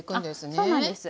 あっそうなんです。